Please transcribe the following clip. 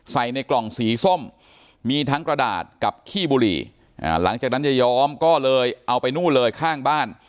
ในกล่องสีส้มมีทั้งกระดาษกับขี้บุหรี่หลังจากนั้นยายอมก็เลยเอาไปนู่นเลยข้างบ้าน